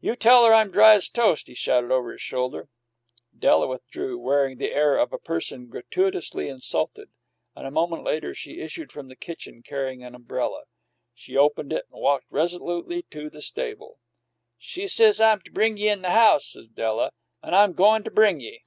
"You tell her I'm dry as toast!" he shouted over his shoulder. Della withdrew, wearing the air of a person gratuitously insulted; and a moment later she issued from the kitchen, carrying an umbrella. She opened it and walked resolutely to the stable. "She says I'm to bring ye in the house," said Della, "an' I'm goin' to bring ye!"